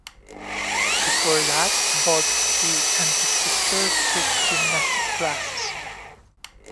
Before that, both he and his sister took gymnastics classes.